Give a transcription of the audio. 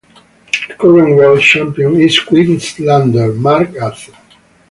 The current world champion is Queenslander Mark Arthur.